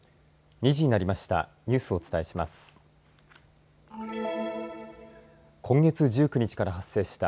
２時になりました。